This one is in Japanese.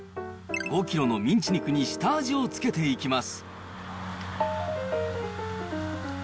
５キロのミンチ肉に下味をつけていきます。